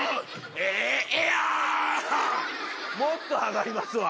もっと上がりますわ。